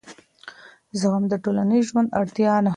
زغم د ټولنیز ژوند اړتیا ده.